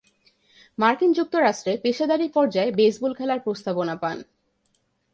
মার্কিন যুক্তরাষ্ট্রে পেশাদারী পর্যায়ে বেসবল খেলার প্রস্তাবনা পান।